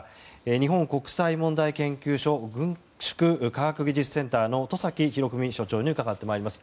日本国際問題研究所軍縮・科学技術センターの戸崎洋史所長に伺ってまいります。